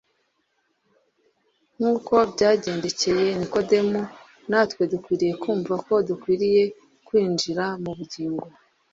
Nk'uko byagendekcye Nikodemu natwe dukwiriye kumva ko dukwiriye kwinjira mu bugingo